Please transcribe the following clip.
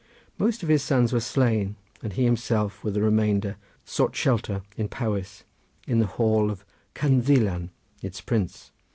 Most of his sons were slain, and he himself with the remainder sought shelter in Powys in the hall of Cynddylan its prince.